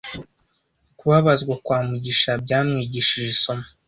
Kubabazwa kwa Mugisha byamwigishije isomo